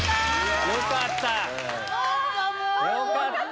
よかった！